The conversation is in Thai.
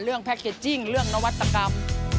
แพ็คเกจจิ้งเรื่องนวัตกรรม